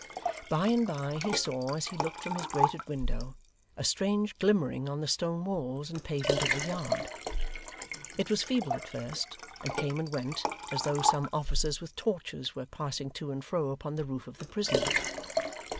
By and bye, he saw, as he looked from his grated window, a strange glimmering on the stone walls and pavement of the yard. It was feeble at first, and came and went, as though some officers with torches were passing to and fro upon the roof of the prison.